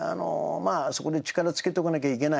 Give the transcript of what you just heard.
そこで力つけておかなきゃいけない。